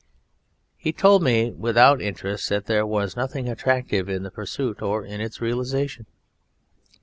He told me without interest that there was nothing attractive in the pursuit or in its realisation.